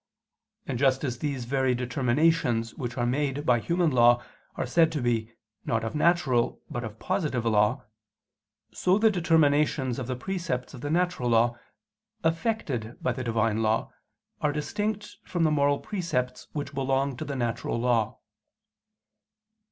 And just as these very determinations which are made by human law are said to be, not of natural, but of positive law; so the determinations of the precepts of the natural law, effected by the Divine law, are distinct from the moral precepts which belong to the natural law.